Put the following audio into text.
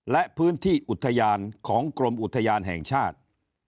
และพื้นที่อุทยานของกรมอุทยานแห่งชาติ